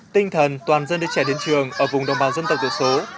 tinh thần toàn dân đến trẻ đến trường ở vùng đồng bào dân tộc tiểu số